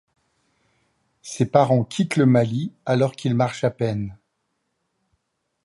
Ses parents quittent le Mali alors qu’il marche à peine.